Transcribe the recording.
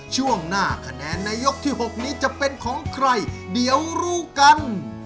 ช่วงหน้าคะแนนในยกที่๖นี้จะเป็นของใครเดี๋ยวรู้กัน